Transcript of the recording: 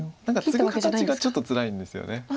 何かツグ形がちょっとつらいんですよね